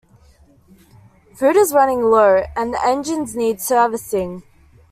Food is running low and the engines need servicing.